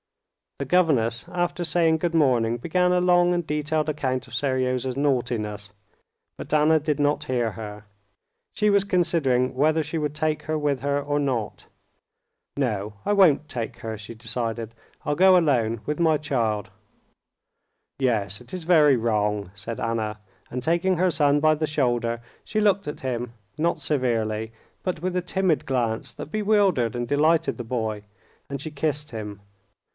The governess, after saying good morning, began a long and detailed account of Seryozha's naughtiness, but Anna did not hear her; she was considering whether she would take her with her or not. "No, I won't take her," she decided. "I'll go alone with my child." "Yes, it's very wrong," said Anna, and taking her son by the shoulder she looked at him, not severely, but with a timid glance that bewildered and delighted the boy, and she kissed him.